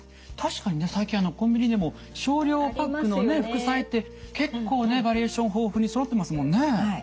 確かにね最近コンビニでも少量パックのね副菜って結構ねバリエーション豊富にそろってますもんね。